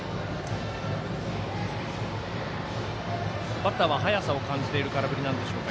バッターは速さを感じている空振りなんでしょうか。